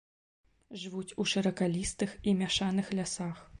Жывуць у шыракалістых і мяшаных лясах.